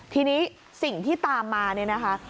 ทีนี้สิ่งที่ตามมาเนี่ยนะคะ